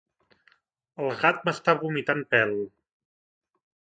El gat m'està vomitant pèl.